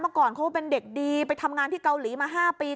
เมื่อก่อนเขาเป็นเด็กดีไปทำงานที่เกาหลีมาห้าปี